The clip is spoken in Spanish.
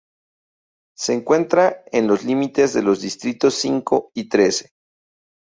Se encuentra en los límites de los distritos cinco y trece.